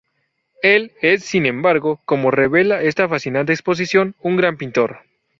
Él es, sin embargo, como revela esta fascinante exposición, un gran pintor.